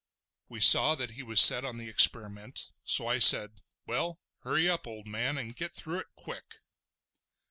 We saw that he was set on the experiment, so I said: "Well, hurry up, old man, and get through it quick!"